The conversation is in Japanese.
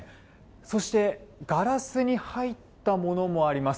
そしてガラスに入ったものもあります。